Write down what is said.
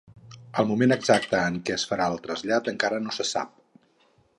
El moment exacte en què es farà el trasllat encara no se sap.